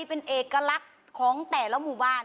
เป็นเอกลักษณ์ของแต่ละหมู่บ้าน